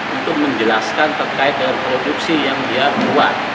untuk menjelaskan terkait dengan produksi yang dia buat